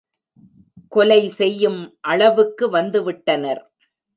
கொலை செய்யும் அளவுக்கு வந்துவிட்டனர்.